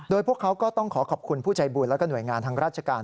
โดยพวกเขาก็ต้องขอขอบคุณผู้ใจบุญแล้วก็หน่วยงานทางราชการ